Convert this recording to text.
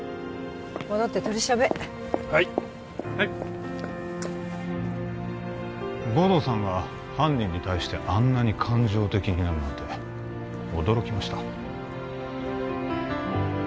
戻って取り調べはい護道さんが犯人に対してあんなに感情的になるなんて驚きました